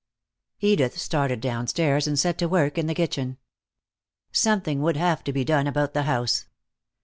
Edith started downstairs and set to work in the kitchen. Something would have to be done about the house.